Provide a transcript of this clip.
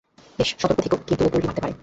বেশ, সতর্ক থেকো, কিন্তু, ও পল্টি মারতে পারে।